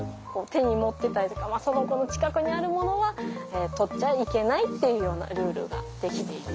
手に持ってたりとかその子の近くにあるものは取っちゃいけないっていうようなルールが出来ています。